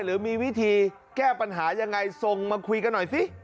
หรือมีวิธีแก้ปัญหายังไงส่งมาคุยกันหน่อยสิ